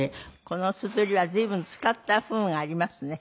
このすずりは随分使った風がありますね。